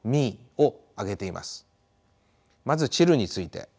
まずチルについて。